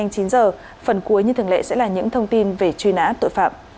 bản tin nhanh chín h phần cuối như thường lệ sẽ là những thông tin về truy nã tội phạm